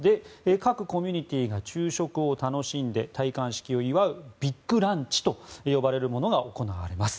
各コミュニティーが昼食を楽しんで戴冠式を祝うビッグランチと呼ばれるものが行われます。